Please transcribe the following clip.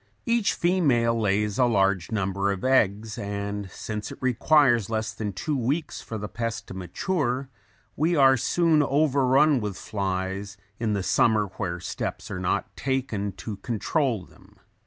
Each female lays a large number of eggs and since it requires less than two weeks for the pest to mature, we are soon overrun with flies in the summer where steps are not taken to control them.